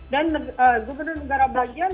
dan gubernur negara bagian